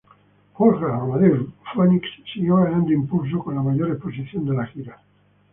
Wolfgang Amadeus Phoenix siguió ganando impulso con la mayor exposición de la gira.